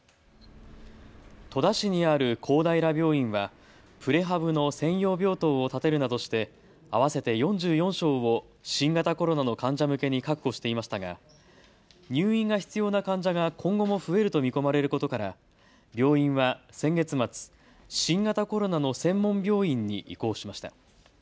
戸田市にある公平病院はプレハブの専用病棟を建てるなどして合わせて４４床を新型コロナの患者向けに確保していましたが入院が必要な患者が今後も増えると見込まれることから病院は先月末、新型コロナの専門病院に移行しました。